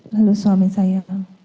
lalu suami saya